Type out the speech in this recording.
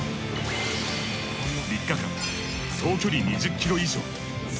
３日間総距離２０ｋｍ以上。